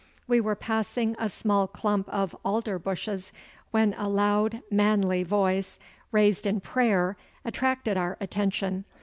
We were passing a small clump of alder bushes when a loud manly voice raised in prayer attracted our attention.